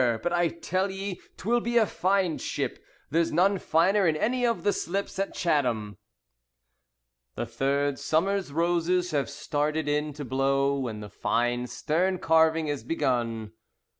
But I tell 'ee 'twill be a fine ship. There's none finer in any of the slips at Chatham." The third Summer's roses have started in to blow, When the fine stern carving is begun.